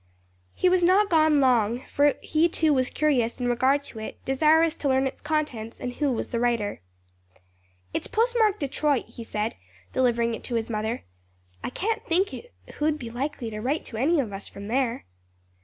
He was not long gone for he too was curious in regard to it, desirous to learn its contents and who was the writer. "It's post marked Detroit," he said, delivering it to his mother. "I can't think who'd be likely to write to any of us from there.